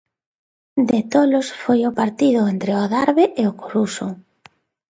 De tolos foi o partido entre o Adarve e o Coruxo.